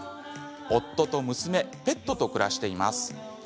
夫と娘、ペットと暮らしています。